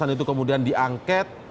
itu kemudian diangket